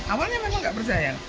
awalnya memang tidak percaya